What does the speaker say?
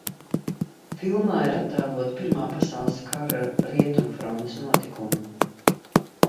Filmā ir attēloti Pirmā pasaules kara Rietumu frontes notikumi.